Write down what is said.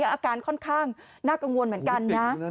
อาการค่อนข้างน่ากังวลเหมือนกันนะ